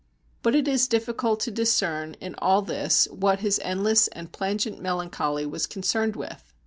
But it is difficult to discern in all this what his endless and plangent melancholy was concerned with.